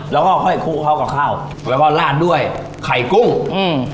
แล้วก็ค่อยคู่เข้ากับข้าวแล้วก็ลาดด้วยไข่กุ้งอืม